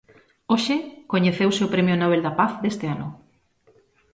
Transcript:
Hoxe coñeceuse o Premio Nobel da Paz deste ano.